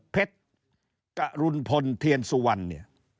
เพชรกรุณพลเทียนสุวรรณ